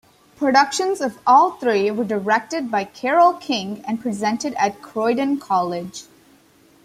Productions of all three were directed by Carol King and presented at Croydon College.